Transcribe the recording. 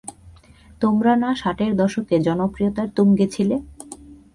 তোমরা না ষাটের দশকে জনপ্রিয়তার তুঙ্গে ছিলে?